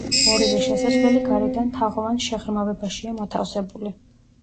ორივე შესასვლელი გარედან თაღოვან შეღრმავებაშია მოთავსებული.